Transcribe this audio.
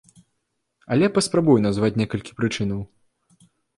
Але паспрабую назваць некалькі прычынаў.